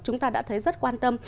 chúng ta đã thấy rất quan tâm